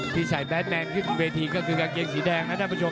ที่ใส่แบทแมนขึ้นที่เวทีก็คือกางเกียงสีแดงนะครับผู้ชม